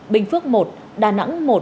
bình phước một đà nẵng một